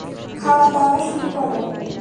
খাওয়াদাওয়া শুরু করো!